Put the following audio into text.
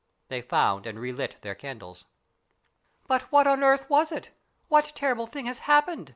They found and relit their candles. "But what on earth was it? What terrible thing has happened